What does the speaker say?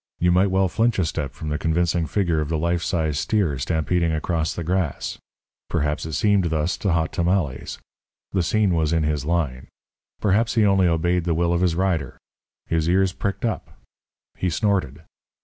You might well flinch a step from the convincing figure of the life size steer stampeding across the grass. Perhaps it seemed thus to Hot Tamales. The scene was in his line. Perhaps he only obeyed the will of his rider. His ears pricked up; he snorted.